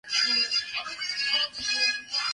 "Prime" was released for the GameCube in five versions.